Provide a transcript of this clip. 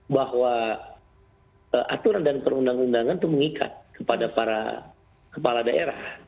bahwa aturan dan perundang undangan itu mengikat kepada para kepala daerah